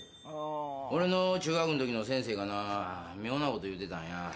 俺の中学のときの先生がな、妙なこと言うてたんや。